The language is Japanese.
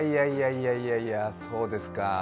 いやいやいや、そうですか。